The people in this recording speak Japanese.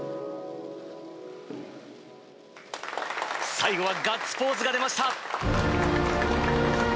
最後はガッツポーズが出ました！